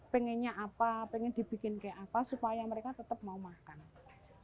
pengennya apa pengen dibikin kayak apa supaya mereka tetap mau makan